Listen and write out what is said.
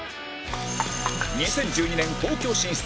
２０１２年東京進出